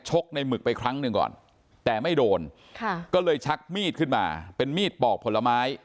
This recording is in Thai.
ในหมึกไปครั้งหนึ่งก่อนแต่ไม่โดนค่ะก็เลยชักมีดขึ้นมาเป็นมีดปอกผลไม้